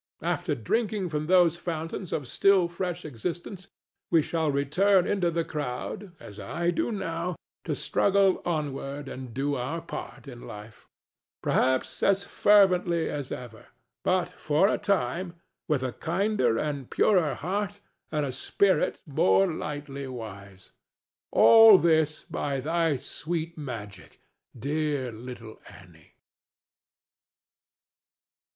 After drinking from those fountains of still fresh existence we shall return into the crowd, as I do now, to struggle onward and do our part in life—perhaps as fervently as ever, but for a time with a kinder and purer heart and a spirit more lightly wise. All this by thy sweet magic, dear little Annie!